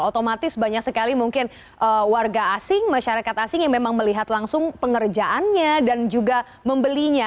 otomatis banyak sekali mungkin warga asing masyarakat asing yang memang melihat langsung pengerjaannya dan juga membelinya